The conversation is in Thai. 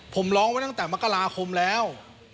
ผมร้องไว้ตั้งแต่มกราคมแล้ว